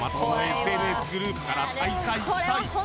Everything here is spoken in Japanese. ＳＮＳグループから退会したい。